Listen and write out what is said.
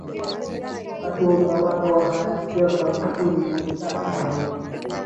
Wakati wa utawala wa hayati John Magufuli ilionekana tofauti